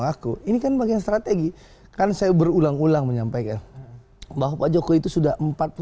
nggak mau aku ini kan bagian strategi kan saya berulang ulang menyampaikan bahwa joko itu sudah